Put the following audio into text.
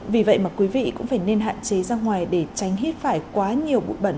vì vậy mà quý vị cũng phải nên hạn chế ra ngoài để tránh hít phải quá nhiều bụi bẩn